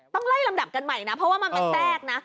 ต้องไล่ลำดับกันใหม่นะเพราะว่ามันเป็นแทรกนะ